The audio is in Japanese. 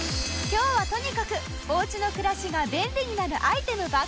今日はとにかくおうちの暮らしが便利になるアイテムばっかり！